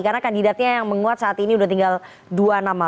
karena kandidatnya yang menguat saat ini sudah tinggal dua nama